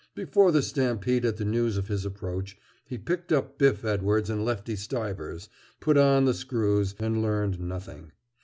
Before the stampede at the news of his approach, he picked up Biff Edwards and Lefty Stivers, put on the screws, and learned nothing.